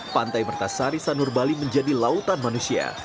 pantai mertasari sanur bali menjadi lautan manusia